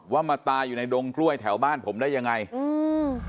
ว่ามาตายอยู่ในดงกล้วยแถวบ้านผมได้ยังไงอืม